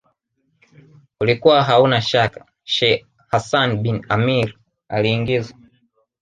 ulikuwa hauna shaka Sheikh Hassan bin Amir aliingizwa